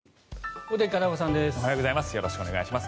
おはようございます。